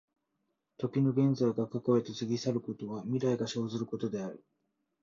時の現在が過去へと過ぎ去ることは、未来が生ずることである。